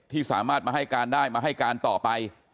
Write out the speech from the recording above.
สามารถมาให้การได้มาให้การต่อไป